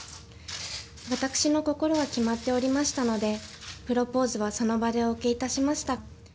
私の心は決まっておりましたので、プロポーズはその場でお受けいたしました。